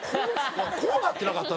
こうなってなかった？